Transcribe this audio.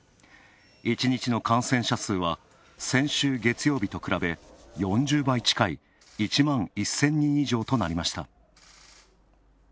１日の感染者数は、先週月曜日と比べ４０倍近い、１万１０００人以上となりました。